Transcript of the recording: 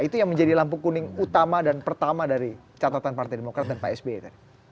itu yang menjadi lampu kuning utama dan pertama dari catatan partai demokrat dan pak sby tadi